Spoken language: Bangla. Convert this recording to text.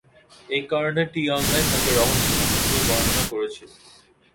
এই কারণে, "টি-অনলাইন" তাকে "রহস্যময়" হিসাবে বর্ণনা করেছিল।